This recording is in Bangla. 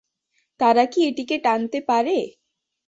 তারা কি এটিকে টানতে পারে?